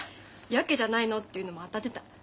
ヤケじゃないの？っていうのも当たってた。